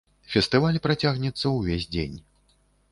Фестываль працягнецца ўвесь дзень.